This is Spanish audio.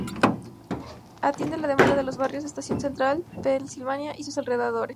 Atiende la demanda de los barrios Estación Central, Pensilvania y sus alrededores.